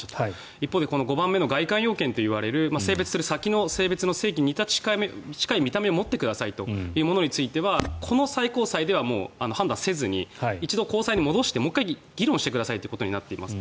一方で５番目の外観要件といわれる性別変更する先の性別の性器に近い見た目を持ってくださいというものはこの最高裁では判断せずに一度、高裁に戻して、もう１回議論してくださいとなってます。